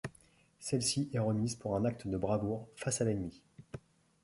Celle-ci est remise pour un acte de bravoure face à l'ennemi.